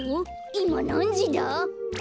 いまなんじだ？